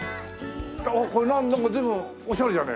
これなんか随分おしゃれだね。